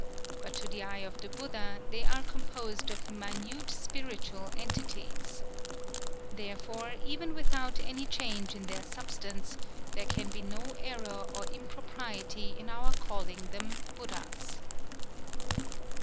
But to the eye of the Buddha they are composed of minute spiritual entities. Therefore, even without any change in their substance, there can be no error or impropriety in our calling them Buddhas."